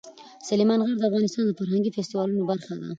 سلیمان غر د افغانستان د فرهنګي فستیوالونو برخه ده.